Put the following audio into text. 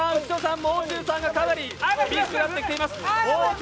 もう中さんがかなり厳しくなってきています。